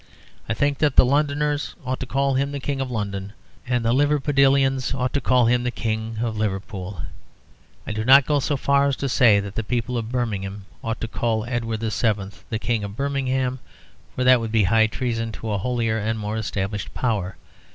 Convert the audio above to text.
I think that the Londoners ought to call him the King of London, and the Liverpudlians ought to call him the King of Liverpool. I do not go so far as to say that the people of Birmingham ought to call Edward VII. the King of Birmingham; for that would be high treason to a holier and more established power.